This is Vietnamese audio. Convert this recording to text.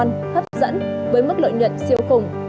sividad có nặng nhiar s broch ngon hấp dẫn với mức lợi nhuận siêu khủng